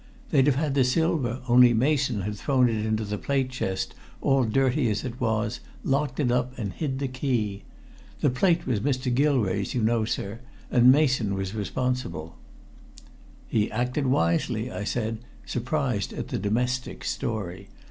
They'd have had the silver, only Mason had thrown it into the plate chest, all dirty as it was, locked it up and hid the key. The plate was Mr. Gilrae's, you know, sir, and Mason was responsible." "He acted wisely," I said, surprised at the domestic's story.